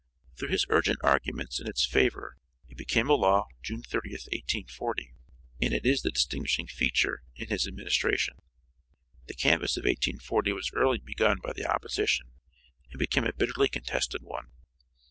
Through his urgent arguments in its favor it became a law June 30, 1840, and it is the distinguishing feature in his administration. The canvass of 1840 was early begun by the opposition, and became a bitterly contested one.